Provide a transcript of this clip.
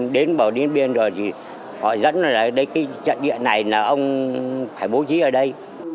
đến bầu đến bên rồi họ dẫn là cái trận địa này là ông phải bố trí ở đây